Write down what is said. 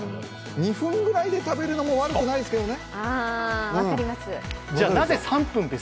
２分ぐらいで食べるのも悪くないですけどね。